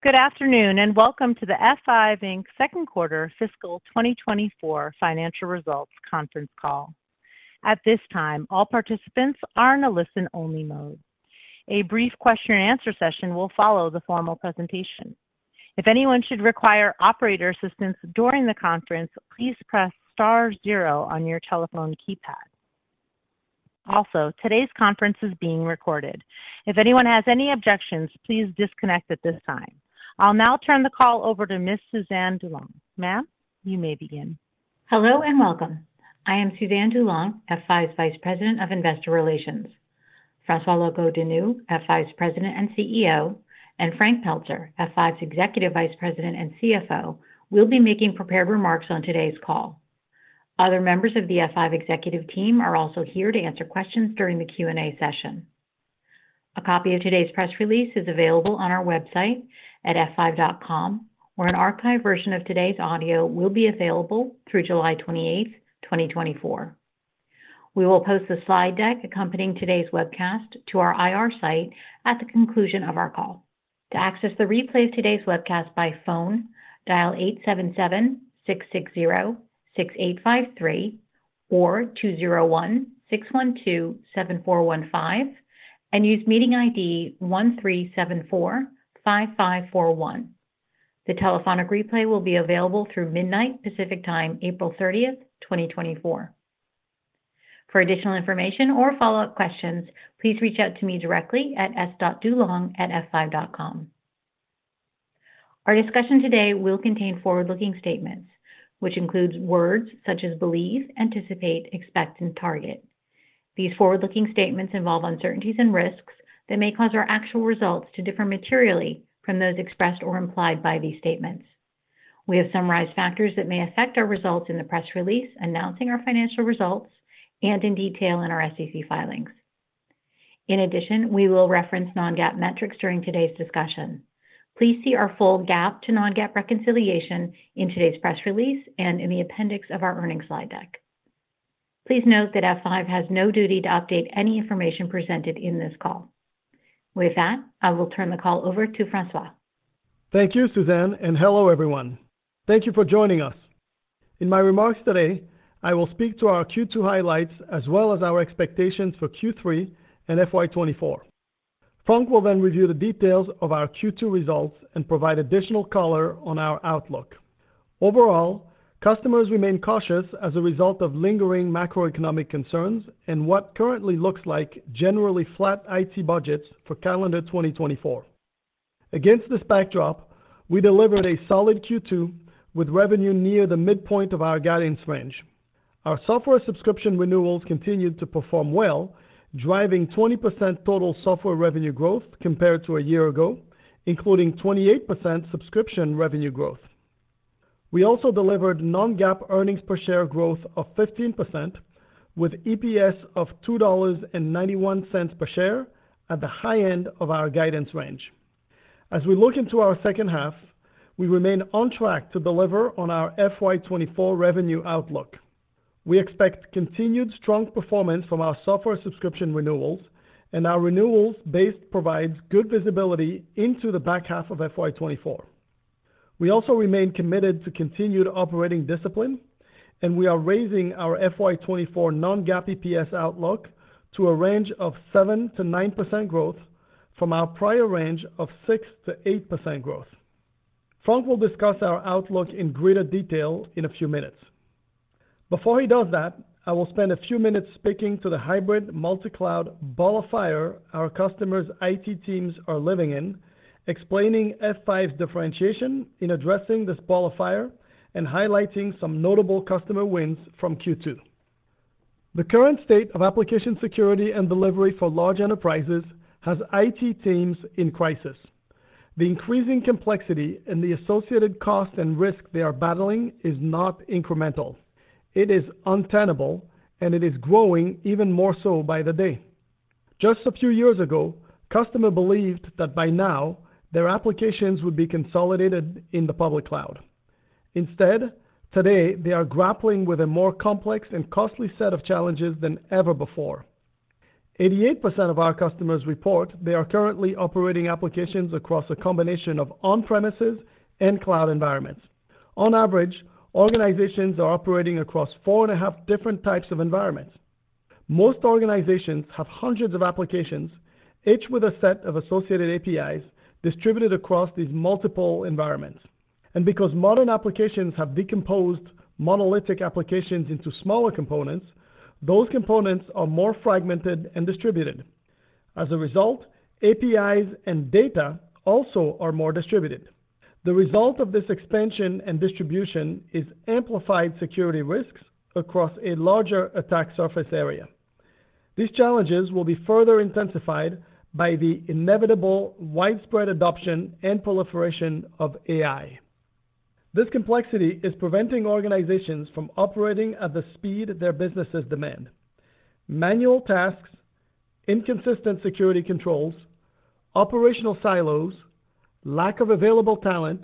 Good afternoon, and welcome to the F5, Inc. second quarter fiscal 2024 financial results conference call. At this time, all participants are in a listen-only mode. A brief question-and-answer session will follow the formal presentation. If anyone should require operator assistance during the conference, please press star zero on your telephone keypad. Also, today's conference is being recorded. If anyone has any objections, please disconnect at this time. I'll now turn the call over to Ms. Suzanne DuLong. Ma'am, you may begin. Hello, and welcome. I am Suzanne DuLong, F5's Vice President of Investor Relations. François Locoh-Donou, F5's President and CEO, and Frank Pelzer, F5's Executive Vice President and CFO, will be making prepared remarks on today's call. Other members of the F5 executive team are also here to answer questions during the Q&A session. A copy of today's press release is available on our website at f5.com, where an archived version of today's audio will be available through July 28, 2024. We will post the slide deck accompanying today's webcast to our IR site at the conclusion of our call. To access the replay of today's webcast by phone, dial 877-660-6853 or 201-612-7415 and use meeting ID 13745541. The telephonic replay will be available through midnight Pacific Time, April 30th, 2024. For additional information or follow-up questions, please reach out to me directly at s.dulong@f5.com. Our discussion today will contain forward-looking statements, which includes words such as believe, anticipate, expect, and target. These forward-looking statements involve uncertainties and risks that may cause our actual results to differ materially from those expressed or implied by these statements. We have summarized factors that may affect our results in the press release announcing our financial results and in detail in our SEC filings. In addition, we will reference non-GAAP metrics during today's discussion. Please see our full GAAP to non-GAAP reconciliation in today's press release and in the appendix of our earnings slide deck. Please note that F5 has no duty to update any information presented in this call. With that, I will turn the call over to François. Thank you, Suzanne, and hello everyone. Thank you for joining us. In my remarks today, I will speak to our Q2 highlights as well as our expectations for Q3 and FY 2024. Frank will then review the details of our Q2 results and provide additional color on our outlook. Overall, customers remain cautious as a result of lingering macroeconomic concerns and what currently looks like generally flat IT budgets for calendar 2024. Against this backdrop, we delivered a solid Q2 with revenue near the midpoint of our guidance range. Our software subscription renewals continued to perform well, driving 20% total software revenue growth compared to a year ago, including 28% subscription revenue growth. We also delivered non-GAAP earnings per share growth of 15%, with EPS of $2.91 per share at the high end of our guidance range. As we look into our second half, we remain on track to deliver on our FY 2024 revenue outlook. We expect continued strong performance from our software subscription renewals, and our renewals base provides good visibility into the back half of FY 2024. We also remain committed to continued operating discipline, and we are raising our FY 2024 non-GAAP EPS outlook to a range of 7%-9% growth from our prior range of 6%-8% growth. Frank will discuss our outlook in greater detail in a few minutes. Before he does that, I will spend a few minutes speaking to thehybrid multi-cloud ball of fire our customers' IT teams are living in, explaining F5's differentiation in addressing this ball of fire, and highlighting some notable customer wins from Q2. The current state of application security and delivery for large enterprises has IT teams in crisis. The increasing complexity and the associated cost and risk they are battling is not incremental. It is untenable, and it is growing even more so by the day. Just a few years ago, customers believed that by now their applications would be consolidated in the public cloud. Instead, today, they are grappling with a more complex and costly set of challenges than ever before. 88% of our customers report they are currently operating applications across a combination of on-premises and cloud environments. On average, organizations are operating across four and a half different types of environments. Most organizations have hundreds of applications, each with a set of associated APIs, distributed across these multiple environments. And because modern applications have decomposed monolithic applications into smaller components, those components are more fragmented and distributed. As a result, APIs and data also are more distributed. The result of this expansion and distribution is amplified security risks across a larger attack surface area. These challenges will be further intensified by the inevitable widespread adoption and proliferation of AI. This complexity is preventing organizations from operating at the speed their businesses demand. Manual tasks, inconsistent security controls, operational silos, lack of available talent,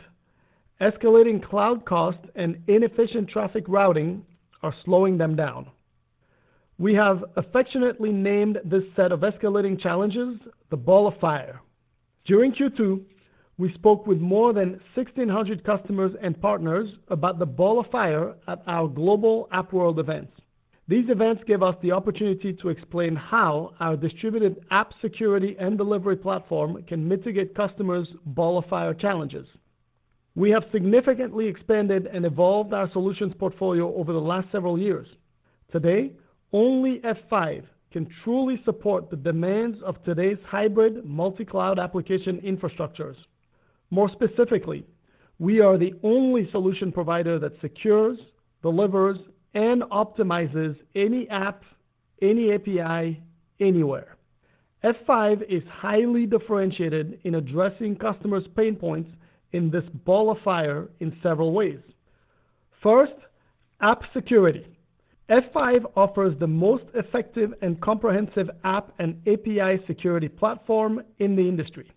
escalating cloud costs, and inefficient traffic routing are slowing them down. We have affectionately named this set of escalating challenges the ball of fire. During Q2, we spoke with more than 1,600 customers and partners about the ball of fire at our global AppWorld events. These events give us the opportunity to explain how our distributed app security and delivery platform can mitigate customers' ball of fire challenges. We have significantly expanded and evolved our solutions portfolio over the last several years. Today, only F5 can truly support the demands of today'shybrid multi-cloud application infrastructures. More specifically, we are the only solution provider that secures, delivers, and optimizes any app, any API, anywhere. F5 is highly differentiated in addressing customers' pain points in this ball of fire in several ways. First, app security. F5 offers the most effective and comprehensive app and API security platform in the industry.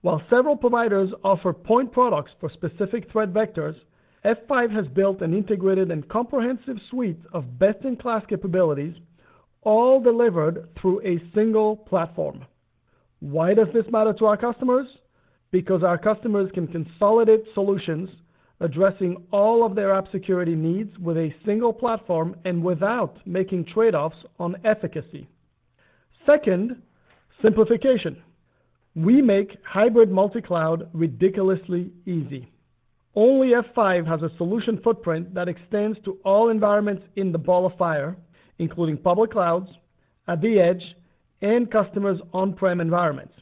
While several providers offer point products for specific threat vectors, F5 has built an integrated and comprehensive suite of best-in-class capabilities, all delivered through a single platform. Why does this matter to our customers? Because our customers can consolidate solutions, addressing all of their app security needs with a single platform and without making trade-offs on efficacy. Second, simplification. We makehybrid multi-cloud ridiculously easy. Only F5 has a solution footprint that extends to all environments in the ball of fire, including public clouds, at the edge, and customers' on-prem environments.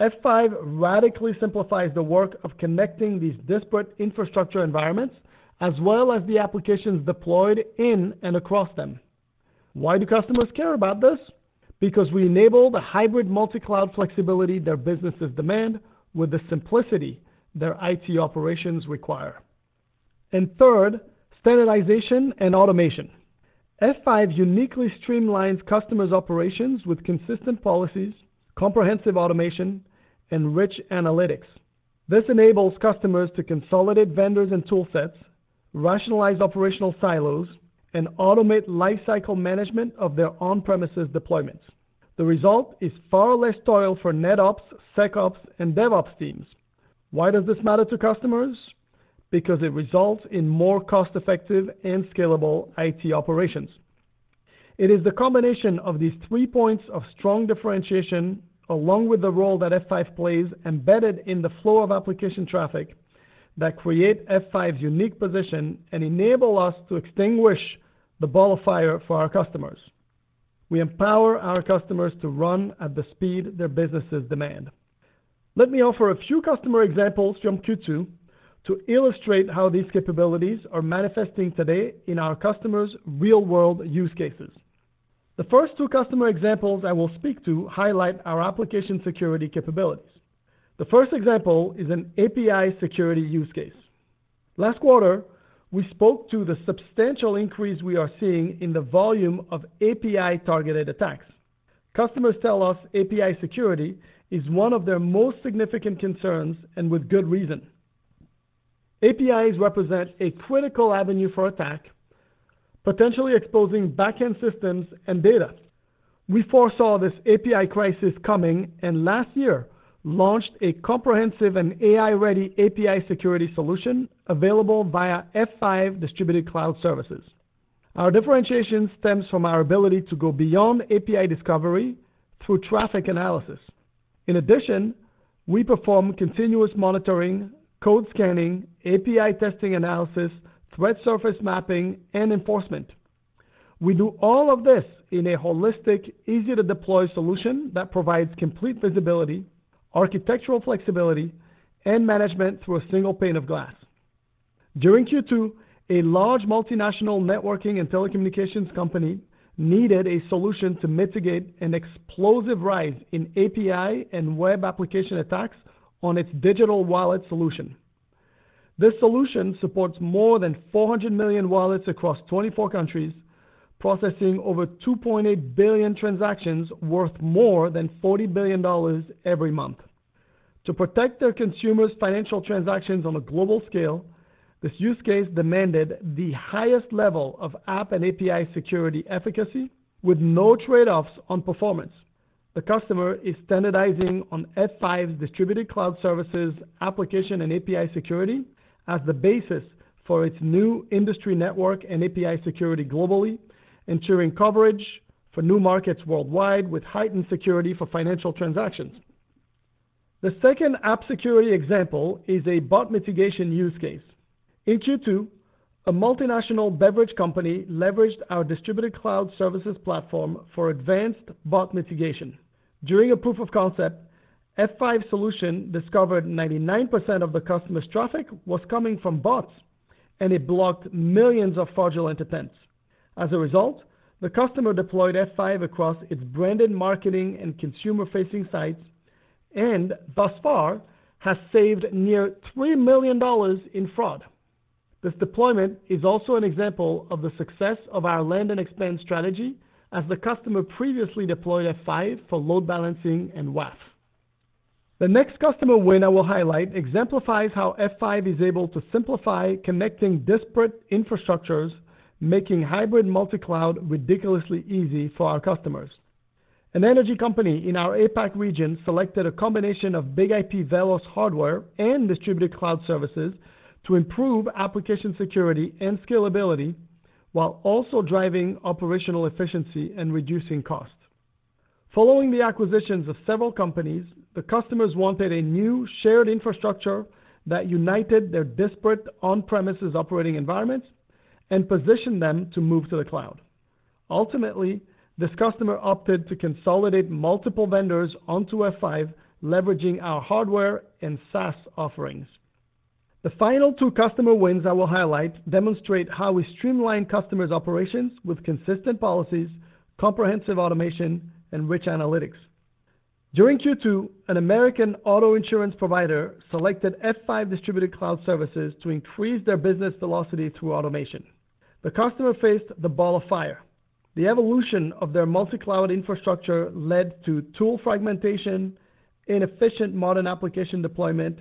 F5 radically simplifies the work of connecting these disparate infrastructure environments, as well as the applications deployed in and across them. Why do customers care about this? Because we enable thehybrid multi-cloud flexibility their businesses demand with the simplicity their IT operations require. Third, standardization and automation. F5 uniquely streamlines customers' operations with consistent policies, comprehensive automation, and rich analytics. This enables customers to consolidate vendors and toolsets, rationalize operational silos, and automate lifecycle management of their on-premises deployments. The result is far less toil for NetOps, SecOps, and DevOps teams. Why does this matter to customers? Because it results in more cost-effective and scalable IT operations. It is the combination of these three points of strong differentiation, along with the role that F5 plays embedded in the flow of application traffic, that create F5's unique position and enable us to extinguish the ball of fire for our customers. We empower our customers to run at the speed their businesses demand. Let me offer a few customer examples from Q2 to illustrate how these capabilities are manifesting today in our customers' real-world use cases. The first two customer examples I will speak to highlight our application security capabilities. The first example is an API security use case. Last quarter, we spoke to the substantial increase we are seeing in the volume of API-targeted attacks. Customers tell us API security is one of their most significant concerns, and with good reason. APIs represent a critical avenue for attack, potentially exposing backend systems and data. We foresaw this API crisis coming and last year launched a comprehensive and AI-ready API security solution available via F5 Distributed Cloud Services. Our differentiation stems from our ability to go beyond API discovery through traffic analysis. In addition, we perform continuous monitoring, code scanning, API testing analysis, threat surface mapping, and enforcement. We do all of this in a holistic, easy-to-deploy solution that provides complete visibility, architectural flexibility, and management through a single pane of glass. During Q2, a large multinational networking and telecommunications company needed a solution to mitigate an explosive rise in API and web application attacks on its digital wallet solution. This solution supports more than 400 million wallets across 24 countries, processing over 2.8 billion transactions worth more than $40 billion every month. To protect their consumers' financial transactions on a global scale, this use case demanded the highest level of app and API security efficacy with no trade-offs on performance. The customer is standardizing on F5's Distributed Cloud Services, application and API security as the basis for its new industry network and API security globally, ensuring coverage for new markets worldwide with heightened security for financial transactions. The second app security example is a bot mitigation use case. In Q2, a multinational beverage company leveraged our Distributed Cloud Services platform for advanced bot mitigation. During a proof of concept, F5 solution discovered 99% of the customer's traffic was coming from bots, and it blocked millions of fraudulent attempts. As a result, the customer deployed F5 across its branded marketing and consumer-facing sites, and thus far, has saved near $3 million in fraud. This deployment is also an example of the success of our land and expand strategy as the customer previously deployed F5 for load balancing and WAF. The next customer win I will highlight exemplifies how F5 is able to simplify connecting disparate infrastructures, makinghybrid multi-cloud ridiculously easy for our customers. An energy company in our APAC region selected a combination of BIG-IP VELOS hardware and Distributed Cloud Services to improve application security and scalability, while also driving operational efficiency and reducing costs. Following the acquisitions of several companies, the customers wanted a new shared infrastructure that united their disparate on-premises operating environments and positioned them to move to the cloud. Ultimately, this customer opted to consolidate multiple vendors onto F5, leveraging our hardware and SaaS offerings. The final two customer wins I will highlight demonstrate how we streamline customers' operations with consistent policies, comprehensive automation, and rich analytics. During Q2, an American auto insurance provider selected F5 Distributed Cloud Services to increase their business velocity through automation. The customer faced the ball of fire. The evolution of their multi-cloud infrastructure led to tool fragmentation, inefficient modern application deployment,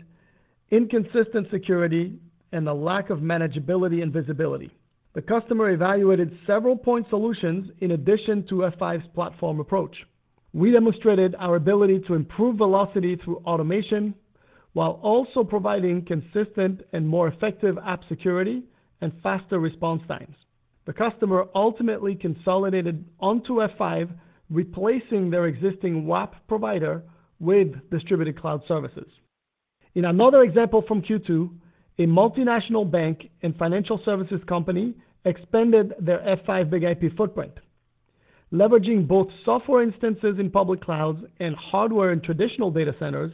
inconsistent security, and a lack of manageability and visibility. The customer evaluated several point solutions in addition to F5's platform approach. We demonstrated our ability to improve velocity through automation, while also providing consistent and more effective app security and faster response times. The customer ultimately consolidated onto F5, replacing their existing WAF provider with Distributed Cloud Services. In another example from Q2, a multinational bank and financial services company expanded their F5 BIG-IP footprint. Leveraging both software instances in public clouds and hardware in traditional data centers,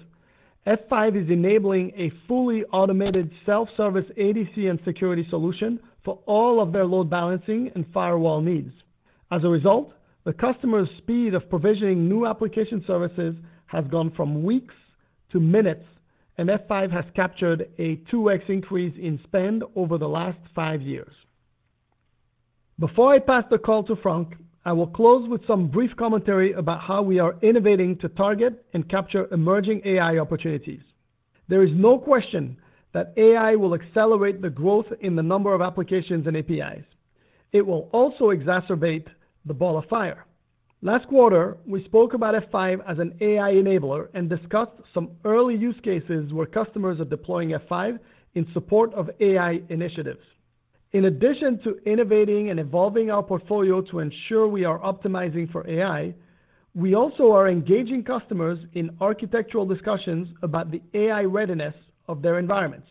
F5 is enabling a fully automated self-service ADC and security solution for all of their load balancing and firewall needs. As a result, the customer's speed of provisioning new application services has gone from weeks to minutes, and F5 has captured a 2x increase in spend over the last five years. Before I pass the call to Frank, I will close with some brief commentary about how we are innovating to target and capture emerging AI opportunities. There is no question that AI will accelerate the growth in the number of applications and APIs. It will also exacerbate the ball of fire. Last quarter, we spoke about F5 as an AI enabler and discussed some early use cases where customers are deploying F5 in support of AI initiatives. In addition to innovating and evolving our portfolio to ensure we are optimizing for AI, we also are engaging customers in architectural discussions about the AI readiness of their environments.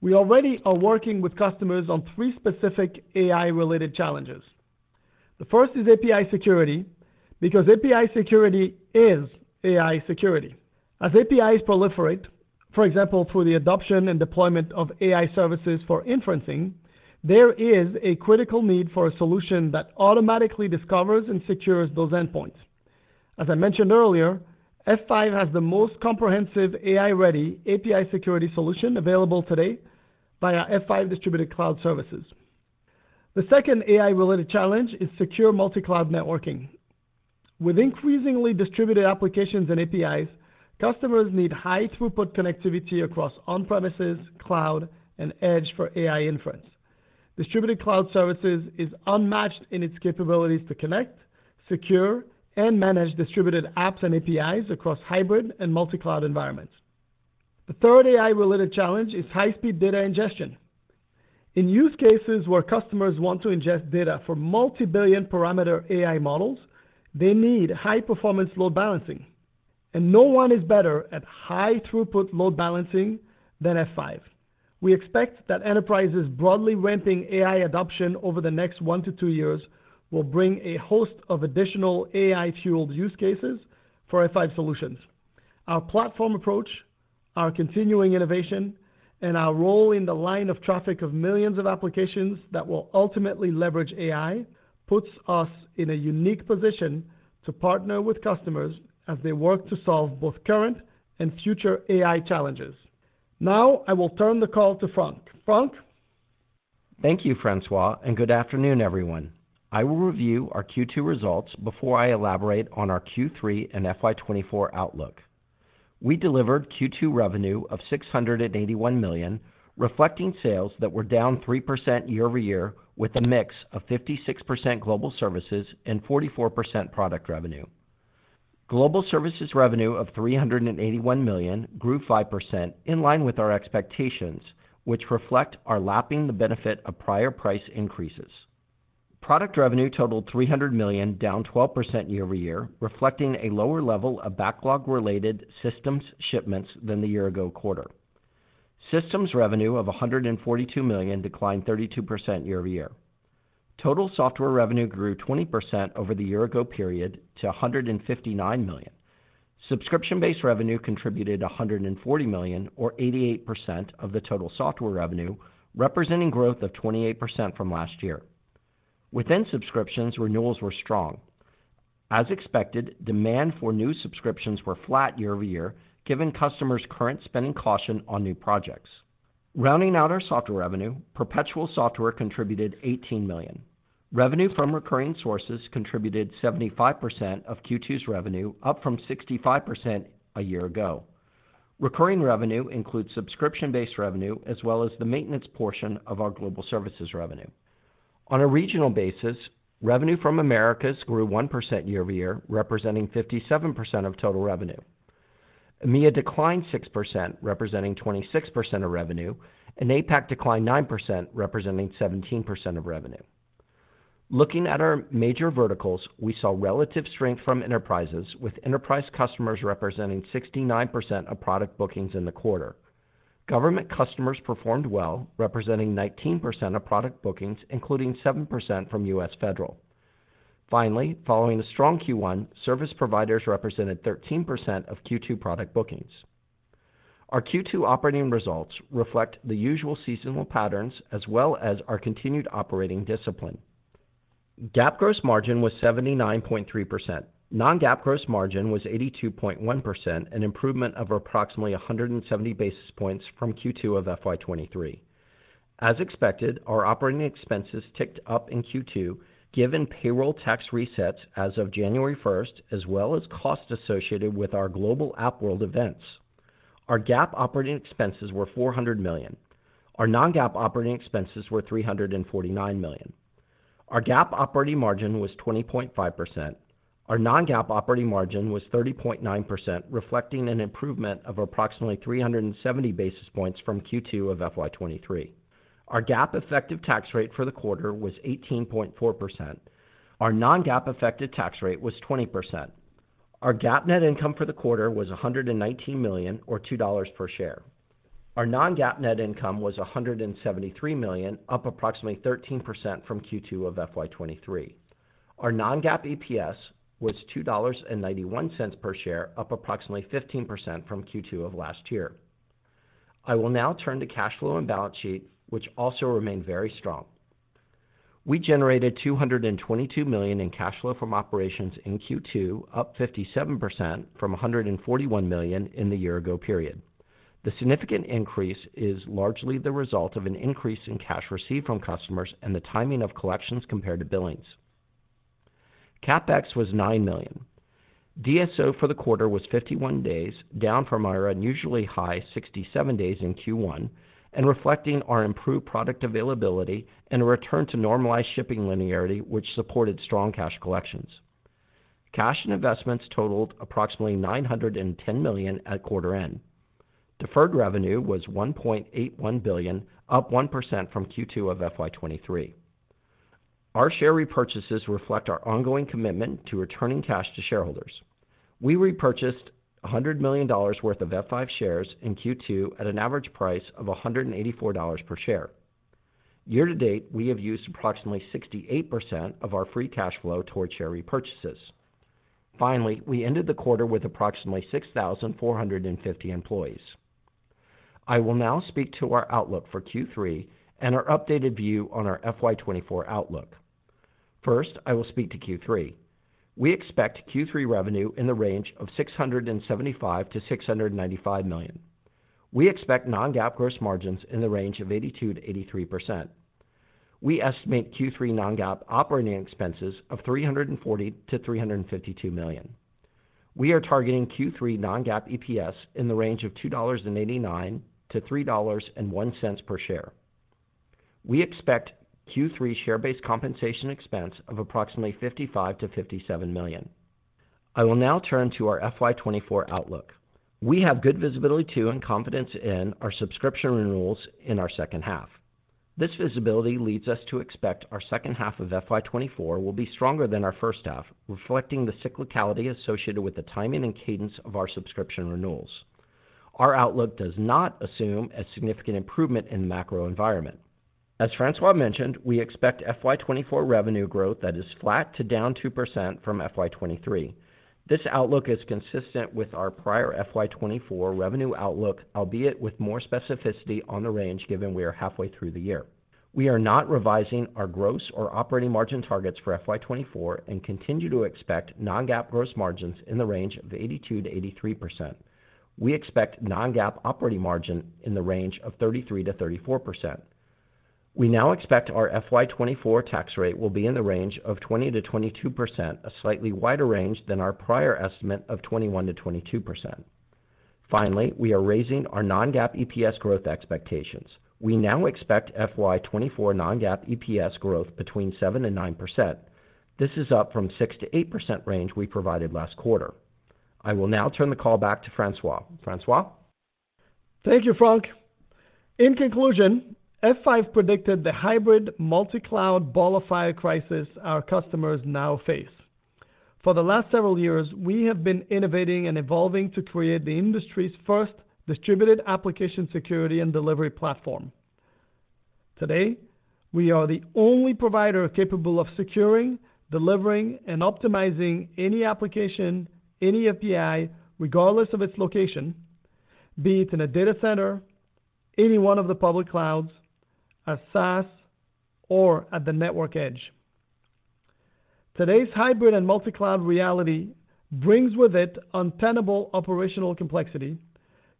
We already are working with customers on three specific AI-related challenges. The first is API security, because API security is AI security. As APIs proliferate, for example, through the adoption and deployment of AI services for inferencing, there is a critical need for a solution that automatically discovers and secures those endpoints. As I mentioned earlier, F5 has the most comprehensive AI-ready API security solution available today by our F5 Distributed Cloud Services. The second AI-related challenge is secure multi-cloud networking. With increasingly distributed applications and APIs, customers need high throughput connectivity across on-premises, cloud, and edge for AI inference. Distributed Cloud Services is unmatched in its capabilities to connect, secure, and manage distributed apps and APIs across hybrid and multi-cloud environments. The third AI-related challenge is high-speed data ingestion. In use cases where customers want to ingest data for multi-billion parameter AI models, they need high-performance load balancing, and no one is better at high throughput load balancing than F5. We expect that enterprises broadly ramping AI adoption over the next one to two years will bring a host of additional AI-fueled use cases for F5 solutions. Our platform approach, our continuing innovation, and our role in the line of traffic of millions of applications that will ultimately leverage AI, puts us in a unique position to partner with customers as they work to solve both current and future AI challenges. Now, I will turn the call to Frank. Frank? Thank you, François, and good afternoon, everyone. I will review our Q2 results before I elaborate on our Q3 and FY 2024 outlook. We delivered Q2 revenue of $681 million, reflecting sales that were down 3% year-over-year, with a mix of 56% global services and 44% product revenue. Global services revenue of $381 million grew 5%, in line with our expectations, which reflect our lapping the benefit of prior price increases. Product revenue totaled $300 million, down 12% year-over-year, reflecting a lower level of backlog-related systems shipments than the year ago quarter. Systems revenue of $142 million declined 32% year-over-year. Total software revenue grew 20% over the year ago period to $159 million. Subscription-based revenue contributed $140 million, or 88% of the total software revenue, representing growth of 28% from last year. Within subscriptions, renewals were strong. As expected, demand for new subscriptions were flat year-over-year, given customers' current spending caution on new projects. Rounding out our software revenue, perpetual software contributed $18 million. Revenue from recurring sources contributed 75% of Q2's revenue, up from 65% a year ago. Recurring revenue includes subscription-based revenue, as well as the maintenance portion of our global services revenue. On a regional basis, revenue from Americas grew 1% year-over-year, representing 57% of total revenue. EMEA declined 6%, representing 26% of revenue, and APAC declined 9%, representing 17% of revenue. Looking at our major verticals, we saw relative strength from enterprises, with enterprise customers representing 69% of product bookings in the quarter. Government customers performed well, representing 19% of product bookings, including 7% from U.S. Federal. Finally, following a strong Q1, service providers represented 13% of Q2 product bookings. Our Q2 operating results reflect the usual seasonal patterns as well as our continued operating discipline. GAAP gross margin was 79.3%. Non-GAAP gross margin was 82.1%, an improvement of approximately 170 basis points from Q2 of FY 2023. As expected, our operating expenses ticked up in Q2, given payroll tax resets as of January first, as well as costs associated with our global AppWorld events. Our GAAP operating expenses were $400 million. Our non-GAAP operating expenses were $349 million. Our GAAP operating margin was 20.5%. Our non-GAAP operating margin was 30.9%, reflecting an improvement of approximately 370 basis points from Q2 of FY 2023. Our GAAP effective tax rate for the quarter was 18.4%. Our non-GAAP effective tax rate was 20%. Our GAAP net income for the quarter was $119 million, or $2 per share. Our non-GAAP net income was $173 million, up approximately 13% from Q2 of FY 2023. Our non-GAAP EPS was $2.91 per share, up approximately 15% from Q2 of last year. I will now turn to cash flow and balance sheet, which also remained very strong. We generated $222 million in cash flow from operations in Q2, up 57% from $141 million in the year ago period. The significant increase is largely the result of an increase in cash received from customers and the timing of collections compared to billings. CapEx was $9 million. DSO for the quarter was 51 days, down from our unusually high 67 days in Q1, and reflecting our improved product availability and a return to normalized shipping linearity, which supported strong cash collections. Cash and investments totaled approximately $910 million at quarter end. Deferred revenue was $1.81 billion, up 1% from Q2 of FY 2023. Our share repurchases reflect our ongoing commitment to returning cash to shareholders. We repurchased $100 million worth of F5 shares in Q2 at an average price of $184 per share. Year to date, we have used approximately 68% of our free cash flow toward share repurchases. Finally, we ended the quarter with approximately 6,450 employees. I will now speak to our outlook for Q3 and our updated view on our FY 2024 outlook. First, I will speak to Q3. We expect Q3 revenue in the range of $675 million-$695 million. We expect non-GAAP gross margins in the range of 82%-83%. We estimate Q3 non-GAAP operating expenses of $340 million-$352 million. We are targeting Q3 non-GAAP EPS in the range of $2.89-$3.01 per share. We expect Q3 share-based compensation expense of approximately $55million-$57 million. I will now turn to our FY 2024 outlook. We have good visibility to, and confidence in, our subscription renewals in our second half. This visibility leads us to expect our second half of FY 2024 will be stronger than our first half, reflecting the cyclicality associated with the timing and cadence of our subscription renewals. Our outlook does not assume a significant improvement in the macro environment. As François mentioned, we expect FY 2024 revenue growth that is flat to down 2% from FY 2023. This outlook is consistent with our prior FY 2024 revenue outlook, albeit with more specificity on the range, given we are halfway through the year. We are not revising our gross or operating margin targets for FY 2024, and continue to expect non-GAAP gross margins in the range of 82%-83%. We expect non-GAAP operating margin in the range of 33%-34%. We now expect our FY 2024 tax rate will be in the range of 20%-22%, a slightly wider range than our prior estimate of 21%-22%. Finally, we are raising our non-GAAP EPS growth expectations. We now expect FY 2024 non-GAAP EPS growth between 7% and 9%. This is up from 6%-8% range we provided last quarter. I will now turn the call back to François. François? Thank you, Frank. In conclusion, F5 predicted thehybrid multi-cloud ball of fire crisis our customers now face. For the last several years, we have been innovating and evolving to create the industry's first distributed application security and delivery platform. Today, we are the only provider capable of securing, delivering, and optimizing any application, any API, regardless of its location, be it in a data center, any one of the public clouds, a SaaS, or at the network edge. Today's hybrid and multi-cloud reality brings with it untenable operational complexity,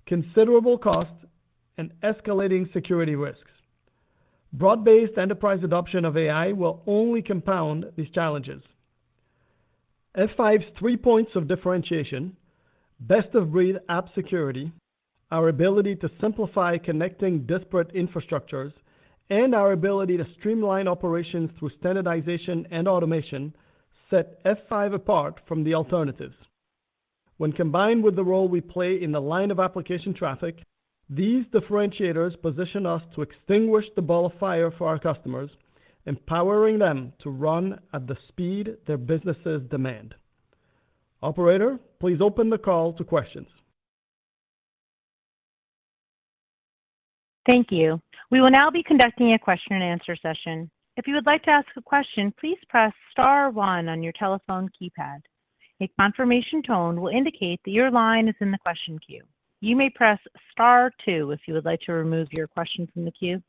considerable cost, and escalating security risks. Broad-based enterprise adoption of AI will only compound these challenges. F5's three points of differentiation, best-of-breed app security, our ability to simplify connecting disparate infrastructures, and our ability to streamline operations through standardization and automation, set F5 apart from the alternatives. When combined with the role we play in the line of application traffic, these differentiators position us to extinguish the ball of fire for our customers, empowering them to run at the speed their businesses demand. Operator, please open the call to questions. Thank you. We will now be conducting a question-and-answer session. If you would like to ask a question, please press star one on your telephone keypad. A confirmation tone will indicate that your line is in the question queue. You may press star two if you would like to remove your question from the queue.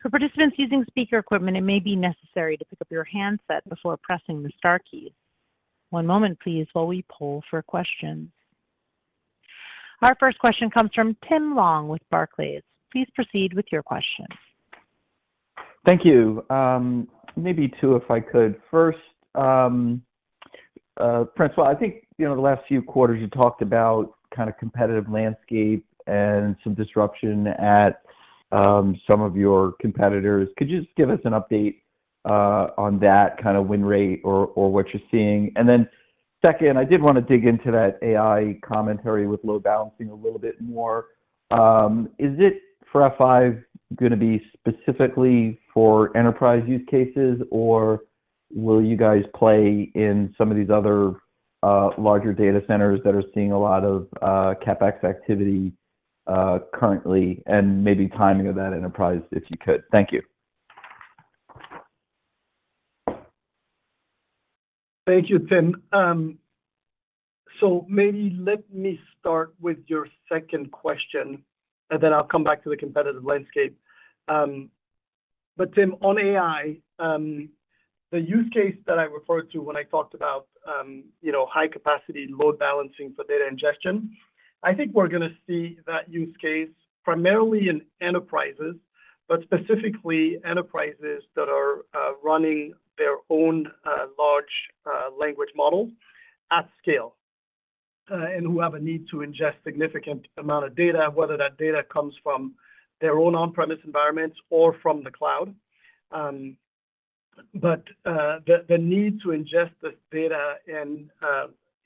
For participants using speaker equipment, it may be necessary to pick up your handset before pressing the star key. One moment, please, while we poll for questions. Our first question comes from Tim Long with Barclays. Please proceed with your question. Thank you. Maybe two, if I could. First, François, I think, you know, the last few quarters you talked about kind of competitive landscape and some disruption at, some of your competitors. Could you just give us an update, on that, kind of win rate or, or what you're seeing? And then second, I did want to dig into that AI commentary with load balancing a little bit more. Is it, for F5, gonna be specifically for enterprise use cases, or will you guys play in some of these other, larger data centers that are seeing a lot of, CapEx activity, currently, and maybe timing of that enterprise, if you could? Thank you. Thank you, Tim. Maybe let me start with your second question, and then I'll come back to the competitive landscape. Tim, on AI, the use case that I referred to when I talked about, you know, high capacity load balancing for data ingestion, I think we're gonna see that use case primarily in enterprises, but specifically enterprises that are running their own large language models at scale, and who have a need to ingest significant amount of data, whether that data comes from their own on-premise environments or from the cloud. The need to ingest this data and,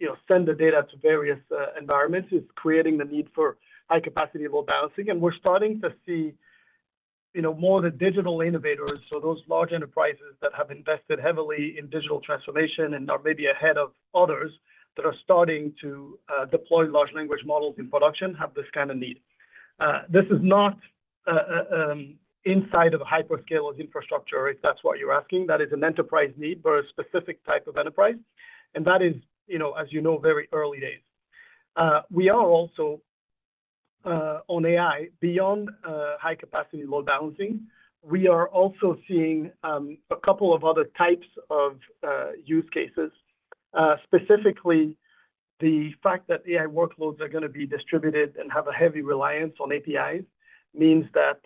you know, send the data to various environments is creating the need for high-capacity load balancing. We're starting to see, you know, more the digital innovators, so those large enterprises that have invested heavily in digital transformation and are maybe ahead of others, that are starting to deploy large language models in production, have this kind of need. This is not inside of a hyperscaler's infrastructure, if that's what you're asking. That is an enterprise need for a specific type of enterprise, and that is, you know, very early days. We are also on AI, beyond high capacity load balancing, we are also seeing a couple of other types of use cases. Specifically, the fact that AI workloads are gonna be distributed and have a heavy reliance on APIs means that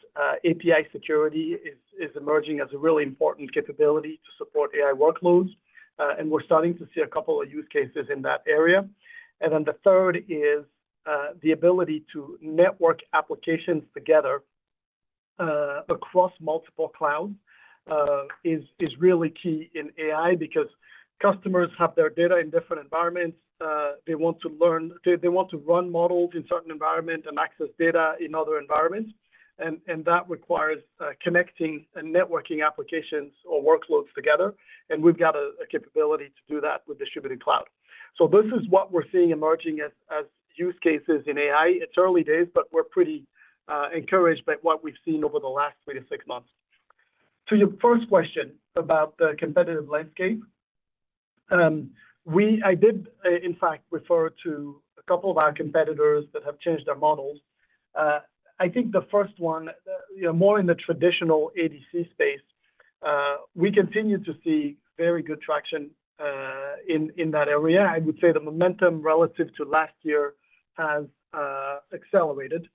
API security is emerging as a really important capability to support AI workloads, and we're starting to see a couple of use cases in that area. And then the third is the ability to network applications together across multiple clouds is really key in AI because customers have their data in different environments. They want to run models in certain environment and access data in other environments. And that requires connecting and networking applications or workloads together, and we've got a capability to do that with distributed cloud. So this is what we're seeing emerging as use cases in AI. It's early days, but we're pretty encouraged by what we've seen over the last three to six months. To your first question about the competitive landscape, I did, in fact, refer to a couple of our competitors that have changed their models. I think the first one, you know, more in the traditional ADC space, we continue to see very good traction in that area. I would say the momentum relative to last year has accelerated.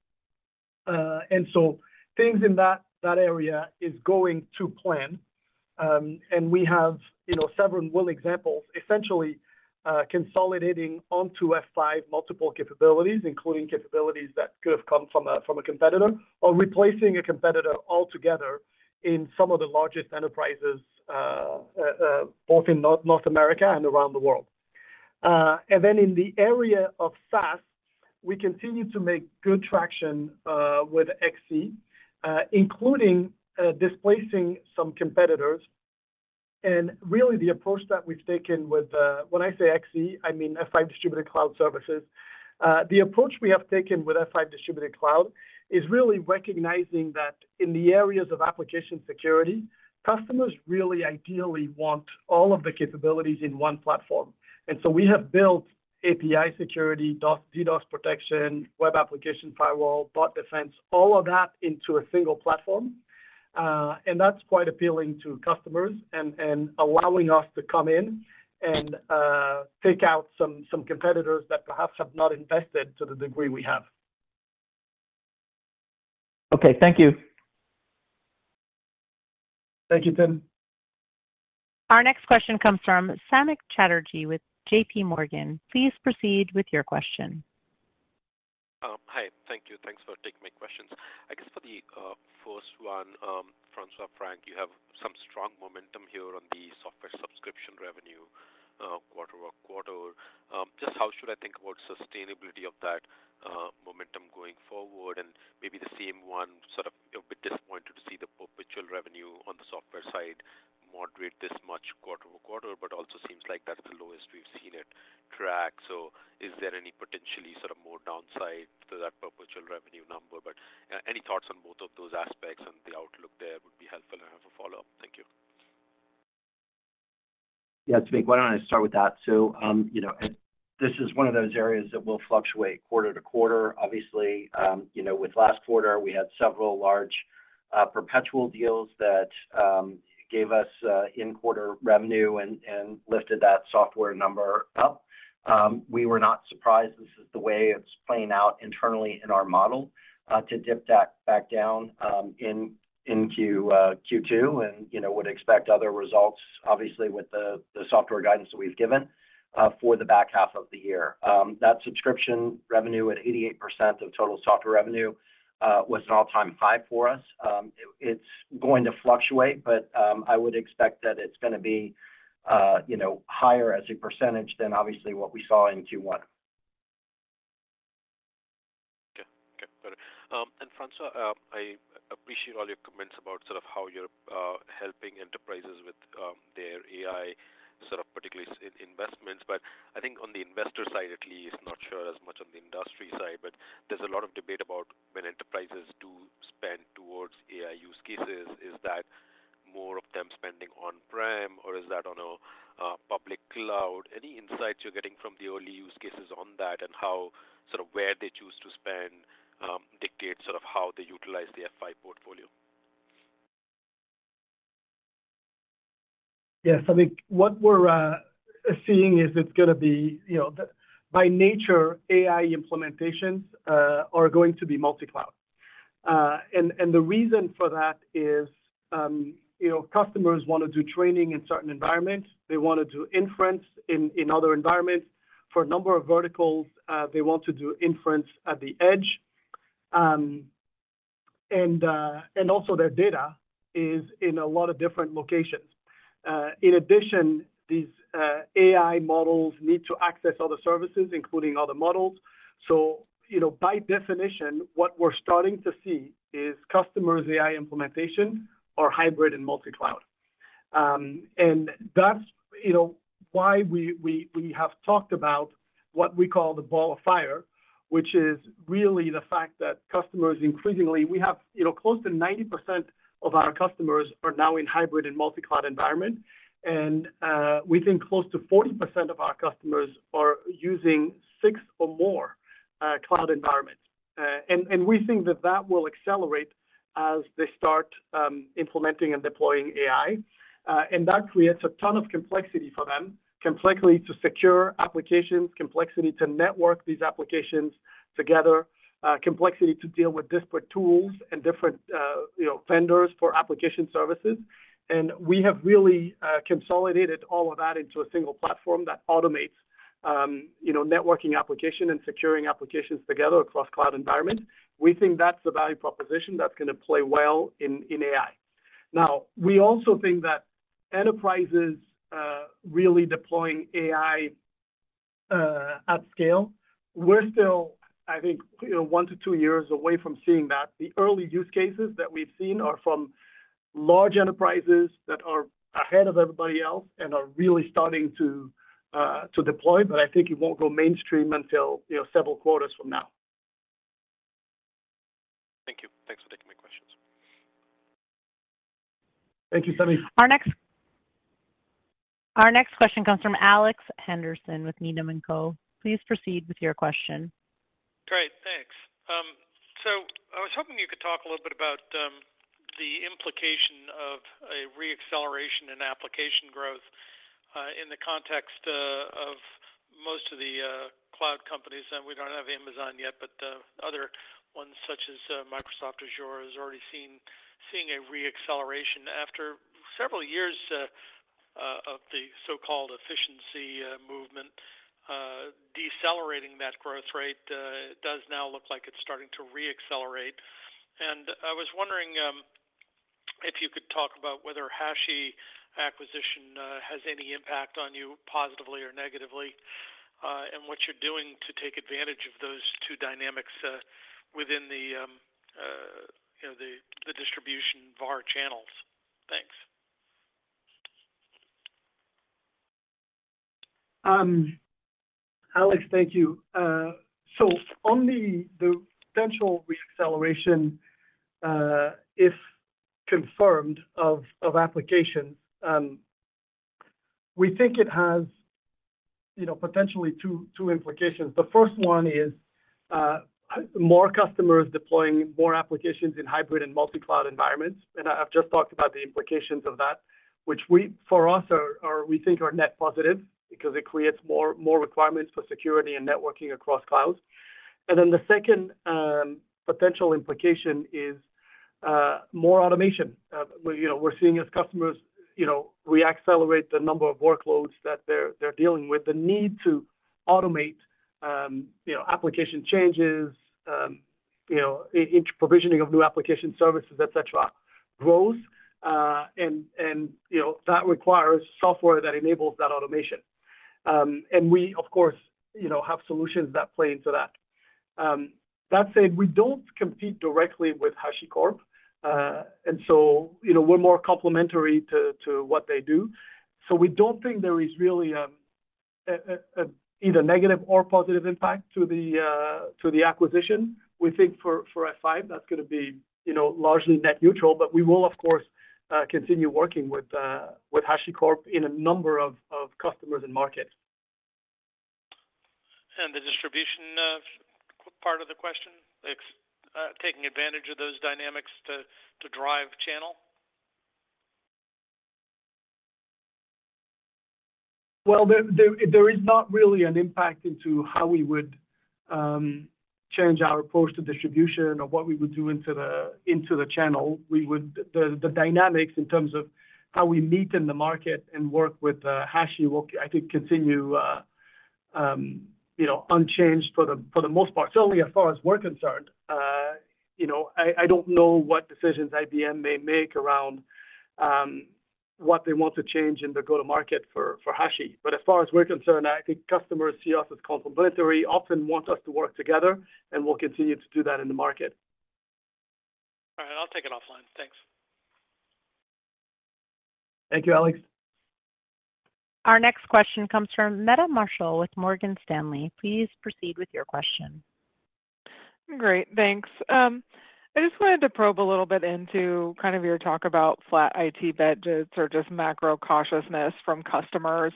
And so things in that area is going to plan. And we have, you know, several examples, essentially, consolidating onto F5 multiple capabilities, including capabilities that could have come from a competitor, or replacing a competitor altogether in some of the largest enterprises, both in North America and around the world. And then in the area of SaaS, we continue to make good traction with XC, including displacing some competitors. And really, the approach that we've taken with. When I say XC, I mean F5 Distributed Cloud Services. The approach we have taken with F5 Distributed Cloud is really recognizing that in the areas of application security, customers really ideally want all of the capabilities in one platform. And so we have built API security, DDoS protection, web application firewall, bot defense, all of that into a single platform. And that's quite appealing to customers and allowing us to come in and take out some competitors that perhaps have not invested to the degree we have. Okay. Thank you. Thank you, Tim. Our next question comes from Samik Chatterjee with JPMorgan. Please proceed with your question. Hi. Thank you. Thanks for taking my questions. I guess for the first one, François, Frank, you have some strong momentum here on the software subscription revenue quarter-over-quarter. Just how should I think about sustainability of that momentum going forward? And maybe the same one, sort of a bit disappointed to see the perpetual revenue on the software side moderate this much quarter-over-quarter, but also seems like that's the lowest we've seen it track. So is there any potentially sort of more downside to that perpetual revenue number? But any thoughts on both of those aspects and the outlook there would be helpful. I have a follow-up. Thank you. Yeah, Samik, why don't I start with that? So, you know, this is one of those areas that will fluctuate quarter to quarter. Obviously, you know, with last quarter, we had several large perpetual deals that gave us in-quarter revenue and lifted that software number up. We were not surprised. This is the way it's playing out internally in our model to dip back down into Q2, and, you know, would expect other results, obviously, with the software guidance that we've given for the back half of the year. That subscription revenue at 88% of total software revenue was an all-time high for us. It's going to fluctuate, but I would expect that it's gonna be, you know, higher as a percentage than obviously what we saw in Q1. Okay. Okay, got it. And François, I appreciate all your comments about sort of how you're helping enterprises with their AI, sort of particularly in investments. But I think on the investor side, at least, not sure as much on the industry side, but there's a lot of debate about when enterprises do spend towards AI use cases, is that more of them spending on-prem or is that on a public cloud? Any insights you're getting from the early use cases on that and how sort of where they choose to spend dictates sort of how they utilize the F5 portfolio? Yes, I think what we're seeing is it's gonna be, you know, by nature, AI implementations are going to be multi-cloud. And the reason for that is, you know, customers want to do training in certain environments. They want to do inference in other environments. For a number of verticals, they want to do inference at the edge. And also their data is in a lot of different locations. In addition, these AI models need to access other services, including other models. So, you know, by definition, what we're starting to see is customers' AI implementation are hybrid and multi-cloud. And that's, you know, why we have talked about what we call the ball of fire, which is really the fact that customers increasingly. We have, you know, close to 90% of our customers are now in hybrid and multi-cloud environment, and we think close to 40% of our customers are using six or more cloud environments. And we think that that will accelerate as they start implementing and deploying AI. And that creates a ton of complexity for them, complexity to secure applications, complexity to network these applications together, complexity to deal with disparate tools and different, you know, vendors for application services. And we have really consolidated all of that into a single platform that automates, you know, networking application and securing applications together across cloud environment. We think that's the value proposition that's going to play well in AI. Now, we also think that enterprises really deploying AI at scale, we're still, I think, you know, one to two years away from seeing that. The early use cases that we've seen are from large enterprises that are ahead of everybody else and are really starting to deploy, but I think it won't go mainstream until, you know, several quarters from now. Thank you. Thanks for taking my questions. Thank you, Samik. Our next question comes from Alex Henderson with Needham and Co. Please proceed with your question. Great, thanks. I was hoping you could talk a little bit about the implication of a re-acceleration in application growth in the context of most of the cloud companies, and we don't have Amazon yet, but other ones such as Microsoft Azure is already seeing a re-acceleration after several years of the so-called efficiency movement decelerating that growth rate. Does now look like it's starting to re-accelerate. I was wondering if you could talk about whether HashiCorp acquisition has any impact on you, positively or negatively, and what you're doing to take advantage of those two dynamics within the, you know, the distribution of our channels. Thanks. Alex, thank you. So on the potential re-acceleration, if confirmed of applications, we think it has, you know, potentially two implications. The first one is more customers deploying more applications in hybrid and multi-cloud environments, and I've just talked about the implications of that, which we, for us, we think are net positive because it creates more requirements for security and networking across clouds. And then the second potential implication is more automation. We, you know, we're seeing as customers, you know, we accelerate the number of workloads that they're dealing with, the need to automate, you know, application changes, you know, in provisioning of new application services, et cetera, grows, and, you know, that requires software that enables that automation. We, of course, you know, have solutions that play into that. That said, we don't compete directly with HashiCorp, and so, you know, we're more complementary to what they do. So we don't think there is really either negative or positive impact to the acquisition. We think for F5, that's gonna be, you know, largely net neutral, but we will, of course, continue working with HashiCorp in a number of customers and markets. The distribution of, quick part of the question, it's taking advantage of those dynamics to, to drive channel? Well, there is not really an impact into how we would change our approach to distribution or what we would do into the channel. The dynamics in terms of how we meet in the market and work with Hashi will, I think, continue, you know, unchanged for the most part. Certainly, as far as we're concerned, you know, I don't know what decisions IBM may make around what they want to change in the go-to-market for Hashi. But as far as we're concerned, I think customers see us as complementary, often want us to work together, and we'll continue to do that in the market. All right, I'll take it offline. Thanks. Thank you, Alex. Our next question comes from Meta Marshall with Morgan Stanley. Please proceed with your question. Great, thanks. I just wanted to probe a little bit into kind of your talk about flat IT budgets or just macro cautiousness from customers.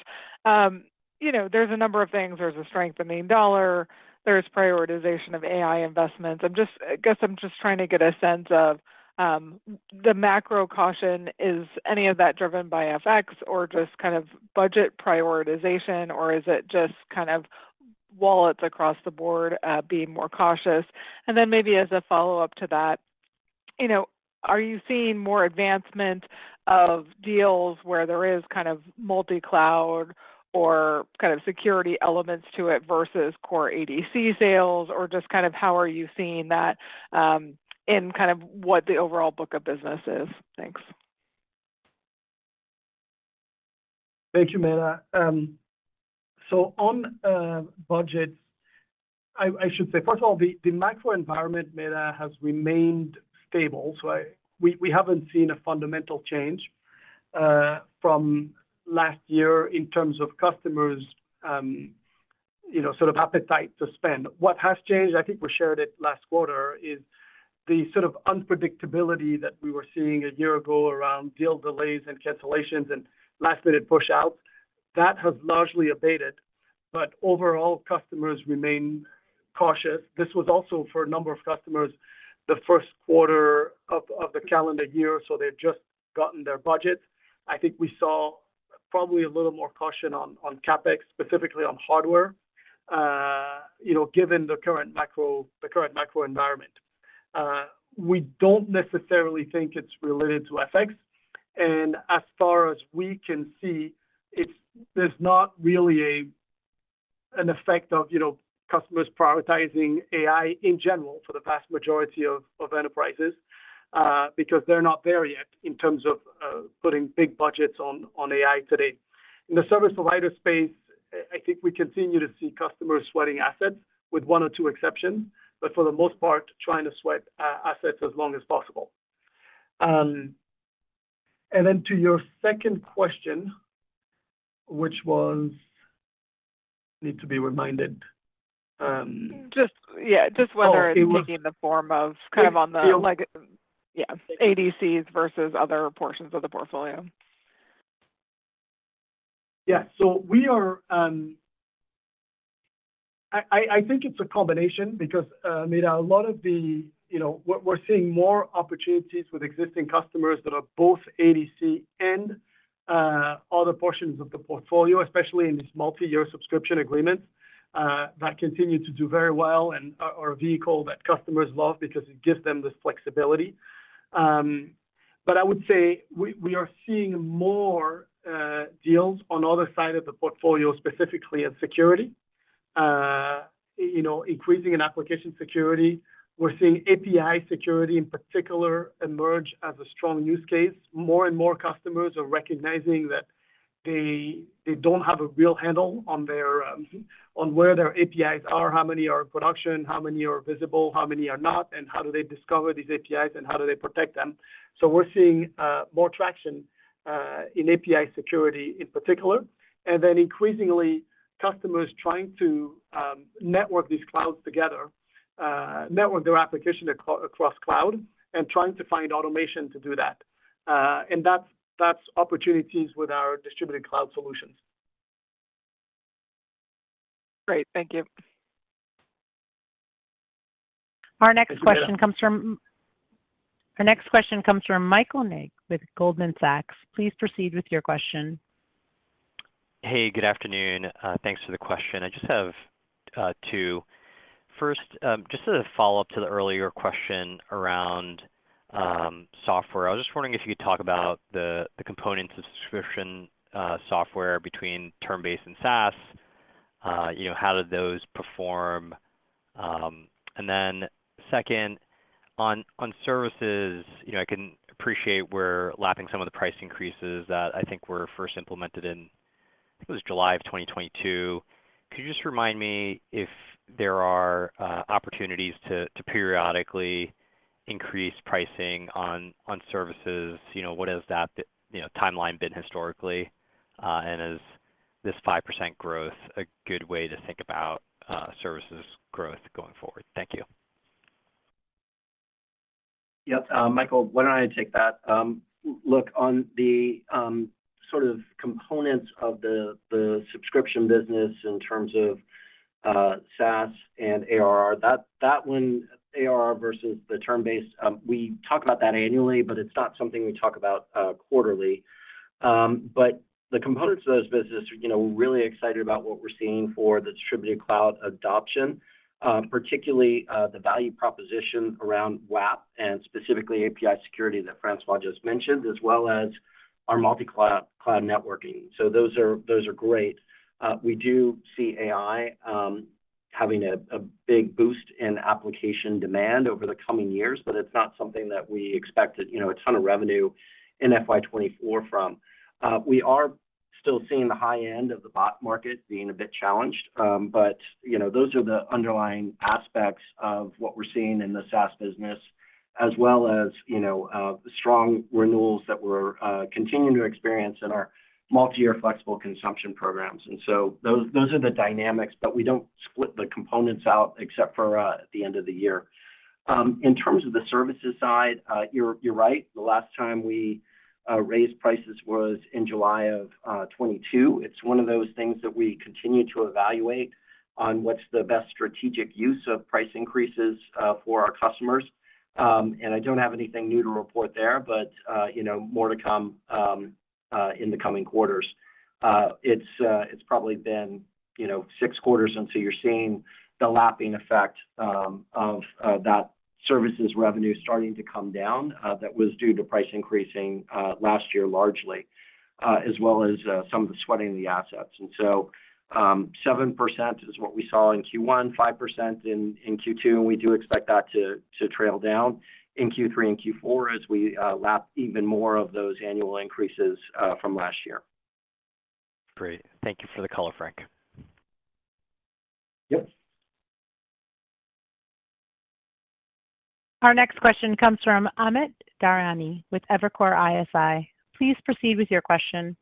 You know, there's a number of things. There's a strength in the dollar. There's prioritization of AI investments. I'm just, I guess I'm just trying to get a sense of the macro caution. Is any of that driven by FX or just kind of budget prioritization, or is it just kind of wallets across the board being more cautious? And then maybe as a follow-up to that, you know, are you seeing more advancement of deals where there is kind of multi-cloud or kind of security elements to it versus core ADC sales, or just kind of how are you seeing that in kind of what the overall book of business is? Thanks. Thank you, Meta. So on budgets, I should say, first of all, the macro environment, Meta, has remained stable. So we haven't seen a fundamental change from last year in terms of customers', you know, sort of appetite to spend. What has changed, I think we shared it last quarter, is the sort of unpredictability that we were seeing a year ago around deal delays and cancellations and last-minute pushouts. That has largely abated, but overall, customers remain cautious. This was also, for a number of customers, the first quarter of the calendar year, so they've just gotten their budget. I think we saw probably a little more caution on CapEx, specifically on hardware, you know, given the current macro environment. We don't necessarily think it's related to FX, and as far as we can see, it's not really an effect of, you know, customers prioritizing AI in general for the vast majority of enterprises, because they're not there yet in terms of putting big budgets on AI today. In the service provider space, I think we continue to see customers sweating assets with one or two exceptions, but for the most part, trying to sweat assets as long as possible. And then to your second question, which was. I need to be reminded. Just, yeah, just whether- Oh, it was- It was taking the form of kind of on the, like. Yeah, ADCs versus other portions of the portfolio. Yeah. So we are. I think it's a combination because, Meta, a lot of the, you know, we're seeing more opportunities with existing customers that are both ADC and other portions of the portfolio, especially in these multiyear subscription agreements that continue to do very well and are a vehicle that customers love because it gives them this flexibility. But I would say we are seeing more deals on other side of the portfolio, specifically in security. You know, increasing in application security. We're seeing API security, in particular, emerge as a strong use case. More and more customers are recognizing that they don't have a real handle on their on where their APIs are, how many are in production, how many are visible, how many are not, and how do they discover these APIs and how do they protect them. So we're seeing more traction in API security in particular, and then increasingly, customers trying to network these clouds together, network their application across cloud, and trying to find automation to do that. And that's opportunities with our distributed cloud solutions. Great. Thank you. Our next question comes from Michael Ng with Goldman Sachs. Please proceed with your question. Hey, good afternoon. Thanks for the question. I just have two. First, just as a follow-up to the earlier question around software, I was just wondering if you could talk about the components of subscription software between term base and SaaS. You know, how did those perform? And then second, on services, you know, I can appreciate we're lapping some of the price increases that I think were first implemented in, I think it was July of 2022. Could you just remind me if there are opportunities to periodically increase pricing on services? You know, what has that timeline been historically, and is this 5% growth a good way to think about services growth going forward? Thank you. Yep, Michael, why don't I take that? Look, on the sort of components of the subscription business in terms of SaaS and ARR, that one, ARR versus the term base, we talk about that annually, but it's not something we talk about quarterly. But the components of those businesses, you know, we're really excited about what we're seeing for the distributed cloud adoption, particularly the value proposition around WAAP and specifically API security that François just mentioned, as well as our multi-cloud cloud networking. So those are great. We do see AI having a big boost in application demand over the coming years, but it's not something that we expect to, you know, a ton of revenue in FY 2024 from. We are still seeing the high end of the bot market being a bit challenged, but, you know, those are the underlying aspects of what we're seeing in the SaaS business, as well as, you know, strong renewals that we're continuing to experience in our multi-year flexible consumption programs. And so those are the dynamics, but we don't split the components out except for at the end of the year. In terms of the services side, you're right. The last time we raised prices was in July of 2022. It's one of those things that we continue to evaluate on what's the best strategic use of price increases for our customers. And I don't have anything new to report there, but, you know, more to come in the coming quarters. It's, it's probably been, you know, six quarters, and so you're seeing the lapping effect, of, that services revenue starting to come down, that was due to price increasing, last year, largely, as well as, some of the sweating of the assets. And so, 7% is what we saw in Q1, 5% in Q2, and we do expect that to trail down in Q3 and Q4 as we lap even more of those annual increases, from last year. Great. Thank you for the color, Frank. Yep. Our next question comes from Amit Daryanani with Evercore ISI. Please proceed with your question.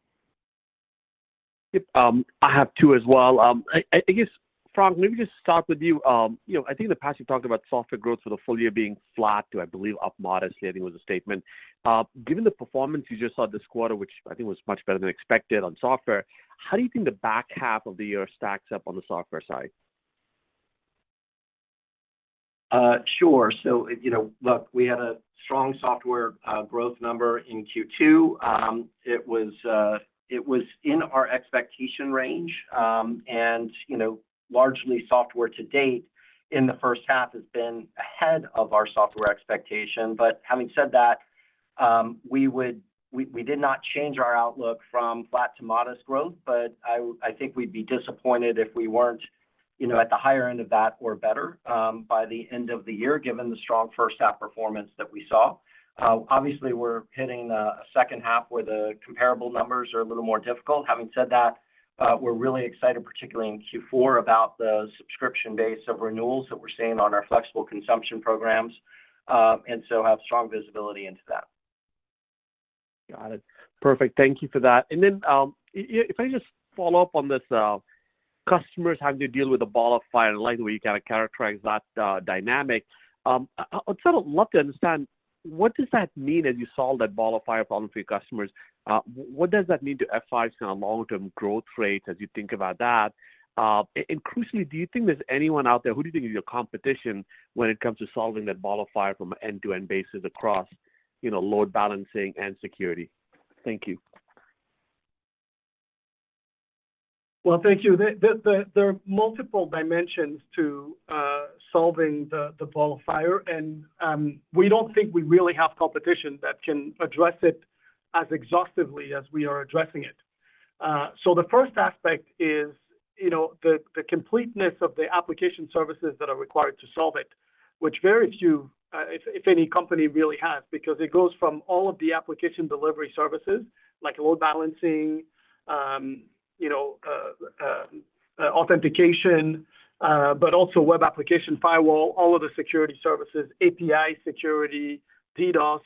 Yep, I have two as well. I guess, Frank, let me just start with you. You know, I think in the past, you talked about software growth for the full year being flat to, I believe, up modestly, I think, was the statement. Given the performance you just saw this quarter, which I think was much better than expected on software, how do you think the back half of the year stacks up on the software side? Sure. So, you know, look, we had a strong software growth number in Q2. It was in our expectation range. And, you know, largely software to date in the first half has been ahead of our software expectation. But having said that, we did not change our outlook from flat to modest growth, but I think we'd be disappointed if we weren't, you know, at the higher end of that or better by the end of the year, given the strong first half performance that we saw. Obviously, we're hitting a second half where the comparable numbers are a little more difficult. Having said that, we're really excited, particularly in Q4, about the subscription base of renewals that we're seeing on our flexible consumption programs, and so have strong visibility into that. Got it. Perfect. Thank you for that. Then, if I just follow up on this, customers having to deal with a ball of fire, I like the way you kind of characterize that dynamic. I'd sort of love to understand, what does that mean, as you solve that ball of fire problem for your customers? What does that mean to F5's kind of long-term growth rate as you think about that? And crucially, do you think there's anyone out there, who do you think is your competition when it comes to solving that ball of fire from an end-to-end basis across, you know, load balancing and security? Thank you. Well, thank you. There are multiple dimensions to solving the ball of fire, and we don't think we really have competition that can address it as exhaustively as we are addressing it. So the first aspect is, you know, the completeness of the application services that are required to solve it, which very few, if any company really has, because it goes from all of the application delivery services like load balancing, you know, authentication, but also web application firewall, all of the security services, API security, DDoS,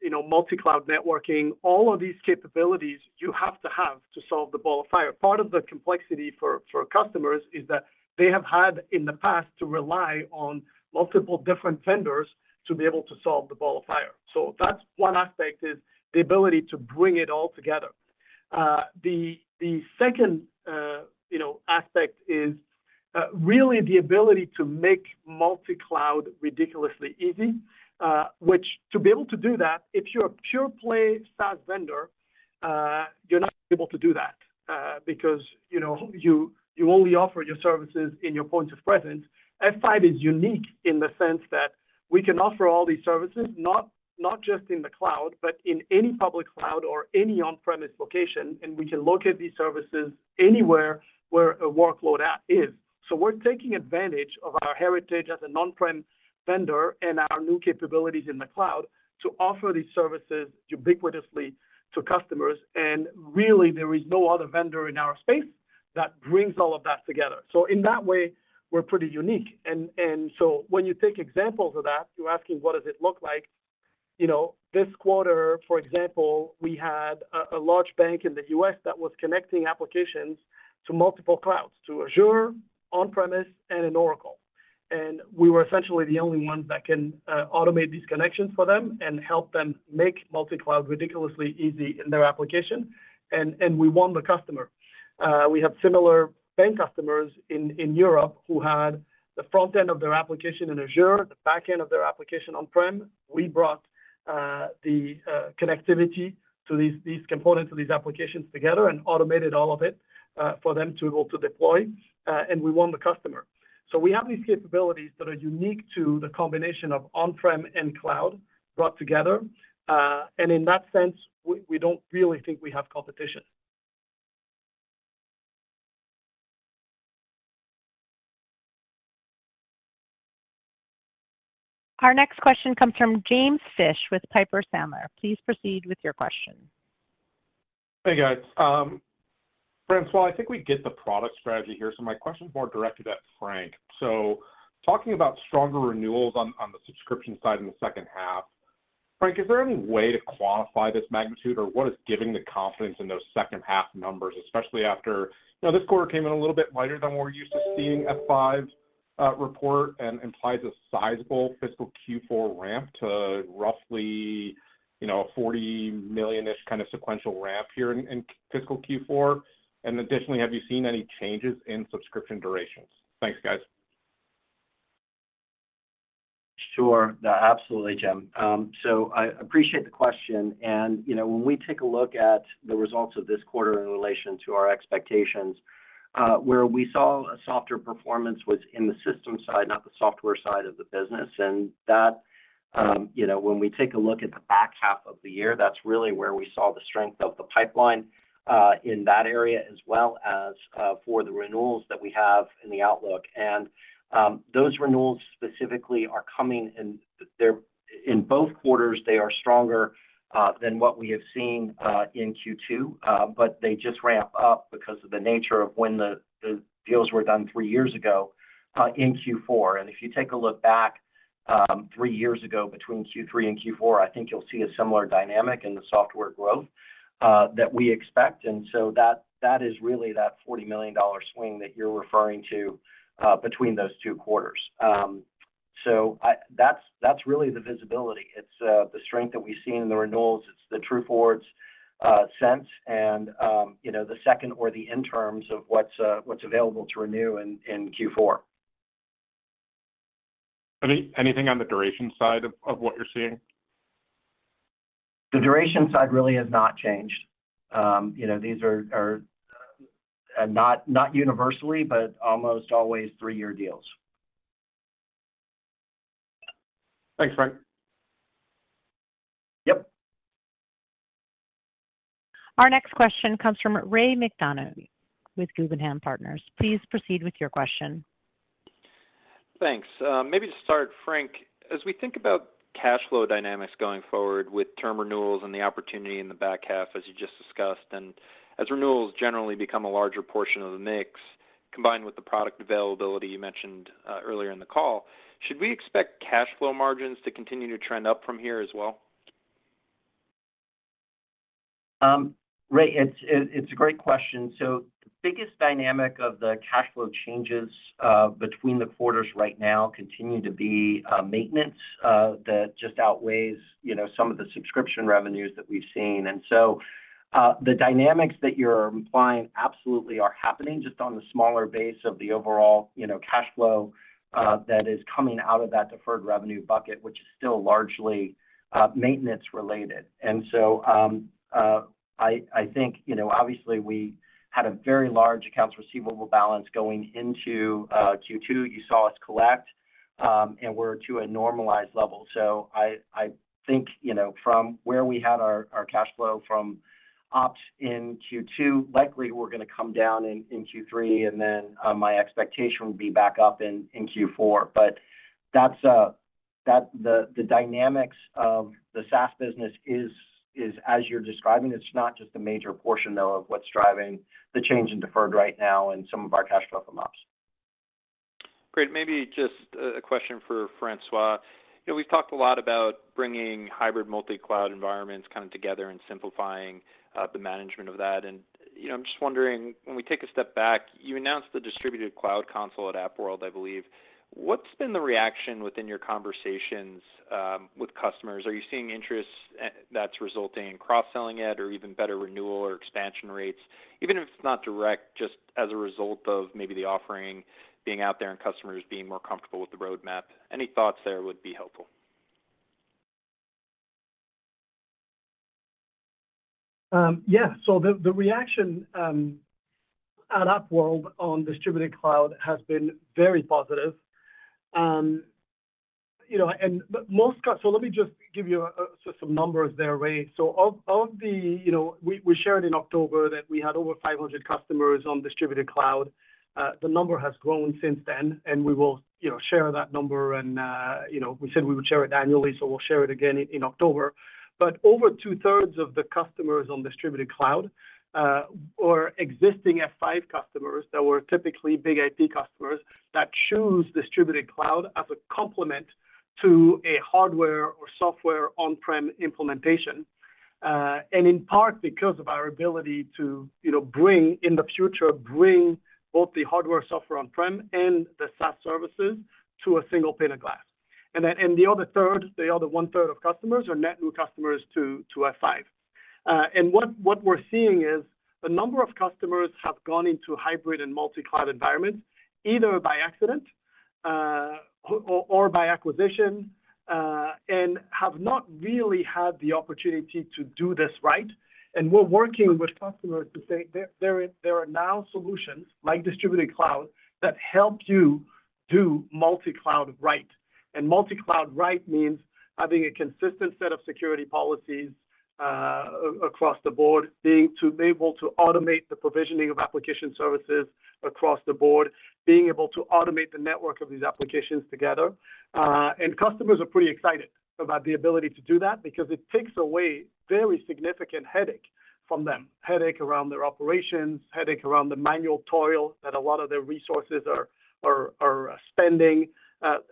you know, multi-cloud networking. All of these capabilities you have to have to solve the ball of fire. Part of the complexity for customers is that they have had, in the past, to rely on multiple different vendors to be able to solve the ball of fire. So that's one aspect, is the ability to bring it all together. The second, you know, aspect is really the ability to make multi-cloud ridiculously easy, which to be able to do that, if you're a pure play SaaS vendor, you're not able to do that, because, you know, you only offer your services in your points of presence. F5 is unique in the sense that we can offer all these services, not just in the cloud, but in any public cloud or any on-premises location, and we can locate these services anywhere where a workload app is. So we're taking advantage of our heritage as an on-premises vendor and our new capabilities in the cloud to offer these services ubiquitously to customers. And really, there is no other vendor in our space that brings all of that together. So in that way, we're pretty unique. And so when you take examples of that, you're asking, what does it look like? You know, this quarter, for example, we had a large bank in the U.S. that was connecting applications to multiple clouds, to Azure, on-premises, and in Oracle. And we were essentially the only ones that can automate these connections for them and help them make multi-cloud ridiculously easy in their application. And we won the customer. We have similar bank customers in Europe who had the front end of their application in Azure, the back end of their application on-premises. We brought the connectivity to these components of these applications together and automated all of it for them to able to deploy and we won the customer. So we have these capabilities that are unique to the combination of on-prem and cloud brought together. And in that sense, we don't really think we have competition. Our next question comes from James Fish with Piper Sandler. Please proceed with your question. Hey, guys. François, I think we get the product strategy here, so my question is more directed at Frank. So talking about stronger renewals on the subscription side in the second half, Frank, is there any way to quantify this magnitude, or what is giving the confidence in those second-half numbers, especially after, you know, this quarter came in a little bit lighter than we're used to seeing F5 report and implies a sizable fiscal Q4 ramp to roughly, you know, $40 million-ish kind of sequential ramp here in fiscal Q4? And additionally, have you seen any changes in subscription durations? Thanks, guys. Sure. Absolutely, Jim. So I appreciate the question. And, you know, when we take a look at the results of this quarter in relation to our expectations, where we saw a softer performance was in the system side, not the software side of the business. And that, you know, when we take a look at the back half of the year, that's really where we saw the strength of the pipeline in that area, as well as for the renewals that we have in the outlook. And those renewals specifically are coming in, they're in both quarters, they are stronger than what we have seen in Q2, but they just ramp up because of the nature of when the deals were done three years ago in Q4. If you take a look back, three years ago, between Q3 and Q4, I think you'll see a similar dynamic in the software growth that we expect. So that, that is really that $40 million swing that you're referring to, between those two quarters. So that's, that's really the visibility. It's, the strength that we've seen in the renewals, it's the true forwards sense, and, you know, the second or the in terms of what's, what's available to renew in, in Q4. Anything on the duration side of what you're seeing? The duration side really has not changed. You know, these are not universally, but almost always three-year deals. Thanks, Frank. Yep. Our next question comes from Ray McDonough with Guggenheim Partners. Please proceed with your question. Thanks. Maybe to start, Frank, as we think about cash flow dynamics going forward with term renewals and the opportunity in the back half, as you just discussed, and as renewals generally become a larger portion of the mix, combined with the product availability you mentioned, earlier in the call, should we expect cash flow margins to continue to trend up from here as well? Ray, it's a great question. So the biggest dynamic of the cash flow changes between the quarters right now continue to be maintenance that just outweighs, you know, some of the subscription revenues that we've seen. And so the dynamics that you're implying absolutely are happening just on the smaller base of the overall, you know, cash flow that is coming out of that deferred revenue bucket, which is still largely maintenance-related. And so I think, you know, obviously, we had a very large accounts receivable balance going into Q2. You saw us collect and we're to a normalized level. So I think, you know, from where we had our cash flow from ops in Q2, likely we're gonna come down in Q3, and then, my expectation will be back up in Q4. But that's the dynamics of the SaaS business is as you're describing, it's not just a major portion, though, of what's driving the change in deferred right now and some of our cash flow from ops. Great. Maybe just a question for François. You know, we've talked a lot about bringinghybrid multi-cloud environments kind of together and simplifying the management of that. You know, I'm just wondering, when we take a step back, you announced the Distributed Cloud Console at AppWorld, I believe. What's been the reaction within your conversations with customers? Are you seeing interest that's resulting in cross-selling yet, or even better renewal or expansion rates? Even if it's not direct, just as a result of maybe the offering being out there and customers being more comfortable with the roadmap. Any thoughts there would be helpful. Yeah. So the reaction at AppWorld on distributed cloud has been very positive. You know, let me just give you some numbers there, Ray. So of the, you know, we shared in October that we had over 500 customers on distributed cloud. The number has grown since then, and we will, you know, share that number and, you know, we said we would share it annually, so we'll share it again in October. But over two-thirds of the customers on distributed cloud or existing F5 customers that were typically big IP customers that choose distributed cloud as a complement to a hardware or software on-prem implementation. And in part, because of our ability to, you know, bring in the future, bring both the hardware, software on-prem and the SaaS services to a single pane of glass. And then, the other third, the other one-third of customers are net new customers to F5. And what we're seeing is, the number of customers have gone into hybrid and multi-cloud environments, either by accident, or by acquisition, and have not really had the opportunity to do this right. And we're working with customers to say there are now solutions, like distributed cloud, that help you do multi-cloud right. And multi-cloud right means having a consistent set of security policies across the board, being able to automate the provisioning of application services across the board, being able to automate the network of these applications together. And customers are pretty excited about the ability to do that because it takes away very significant headache from them. Headache around their operations, headache around the manual toil that a lot of their resources are spending,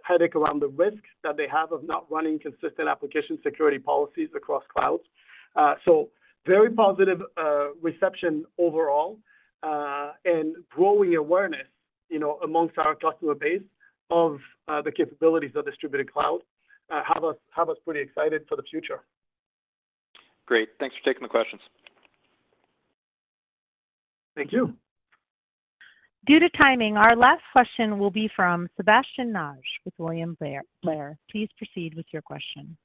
headache around the risk that they have of not running consistent application security policies across clouds. So very positive reception overall, and growing awareness, you know, amongst our customer base of the capabilities of distributed cloud have us pretty excited for the future. Great. Thanks for taking the questions. Thank you. Due to timing, our last question will be from Sebastien Naji with William Blair. Please proceed with your question.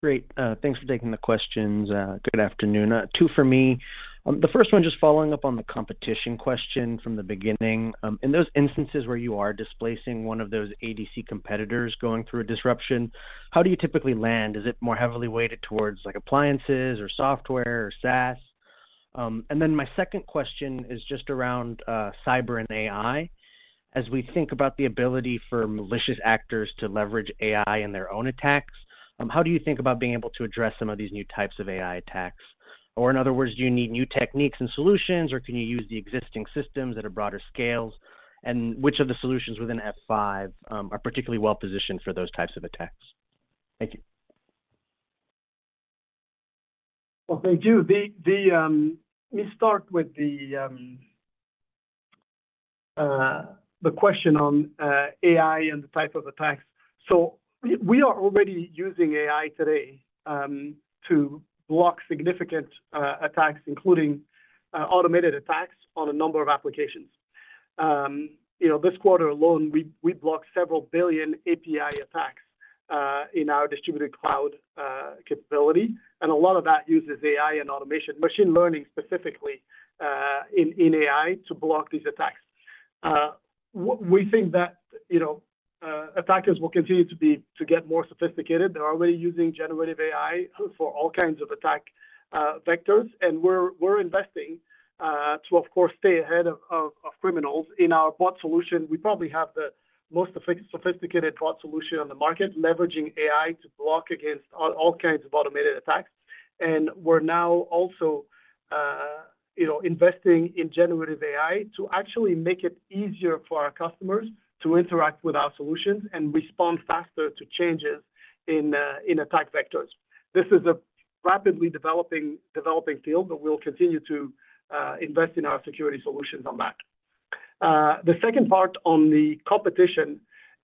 Great. Thanks for taking the questions. Good afternoon. Two for me. The first one, just following up on the competition question from the beginning. In those instances where you are displacing one of those ADC competitors going through a disruption, how do you typically land? Is it more heavily weighted towards, like, appliances or software or SaaS? And then my second question is just around, cyber and AI. As we think about the ability for malicious actors to leverage AI in their own attacks, how do you think about being able to address some of these new types of AI attacks? Or in other words, do you need new techniques and solutions, or can you use the existing systems at a broader scales? And which of the solutions within F5 are particularly well positioned for those types of attacks? Thank you. Well, thank you. Let me start with the question on AI and the type of attacks. So we are already using AI today to block significant attacks, including automated attacks on a number of applications. You know, this quarter alone, we blocked several billion API attacks in our distributed cloud capability, and a lot of that uses AI and automation, machine learning specifically in AI, to block these attacks. We think that, you know, attackers will continue to get more sophisticated. They're already using generative AI for all kinds of attack vectors, and we're investing to, of course, stay ahead of criminals. In our bot solution, we probably have the most sophisticated bot solution on the market, leveraging AI to block against all kinds of automated attacks. We're now also, you know, investing in generative AI to actually make it easier for our customers to interact with our solutions and respond faster to changes in attack vectors. This is a rapidly developing field, but we'll continue to invest in our security solutions on that. The second part on the competition,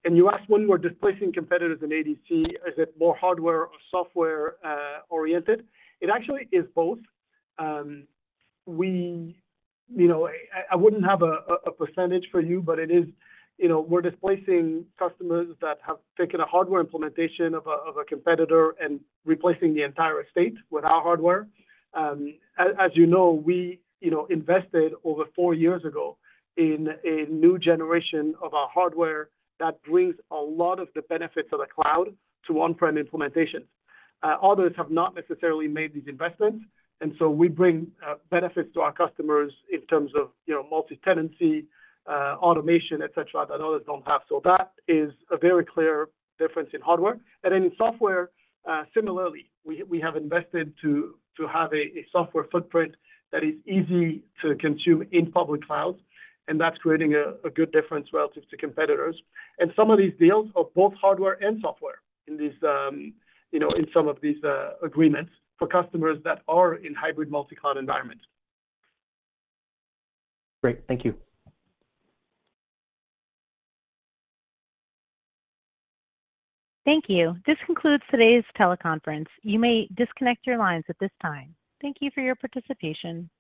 and you asked when we're displacing competitors in ADC, is it more hardware or software oriented? It actually is both. I wouldn't have a percentage for you, but it is, you know, we're displacing customers that have taken a hardware implementation of a competitor and replacing the entire estate with our hardware. As you know, we, you know, invested over four years ago in a new generation of our hardware that brings a lot of the benefits of the cloud to on-prem implementations. Others have not necessarily made these investments, and so we bring benefits to our customers in terms of, you know, multi-tenancy, automation, et cetera, that others don't have. So that is a very clear difference in hardware. And in software, similarly, we have invested to have a software footprint that is easy to consume in public clouds, and that's creating a good difference relative to competitors. And some of these deals are both hardware and software in these, you know, in some of these agreements for customers that are inhybrid multi-cloud environments. Great. Thank you. Thank you. This concludes today's teleconference. You may disconnect your lines at this time. Thank you for your participation.